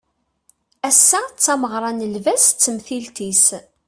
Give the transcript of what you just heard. Ass-a d tameɣra n lbaz d temtilt-is